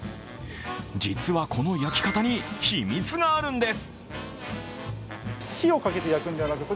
実はこの焼き方に秘密があるんです。